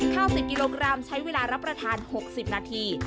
ข้าว๑๐กิโลกรัมใช้เวลารับประทาน๖๐นาที